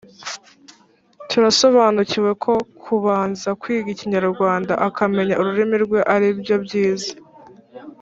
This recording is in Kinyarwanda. Turasobanukiwe ko kubanza kwiga Ikinyarwanda akamenya ururimi rwe ari byo byiza